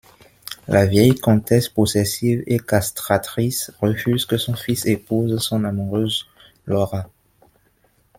La vieille comtesse possessive et castratrice refuse que son fils épouse son amoureuse Laura.